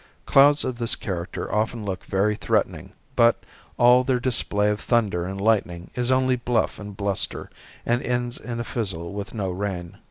Clouds of this character often look very threatening, but all their display of thunder and lightning is only bluff and bluster and ends in a fizzle with no rain.